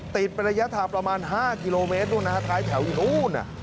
ติดเป็นระยะถาประมาณห้ากิโลเมตรดูนะฮะท้ายแถวอีกอู้น่ะ